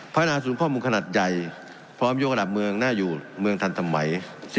นาศูนย์ข้อมูลขนาดใหญ่พร้อมยกระดับเมืองน่าอยู่เมืองทันสมัย